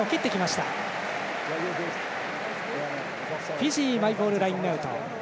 フィジーマイボールラインアウト。